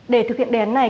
để thực hiện đề án này